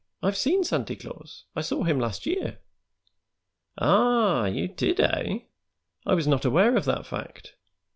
"I've seen Santy Claus; I saw him last year." "Ah! You did, eh? I was not aware of that fact."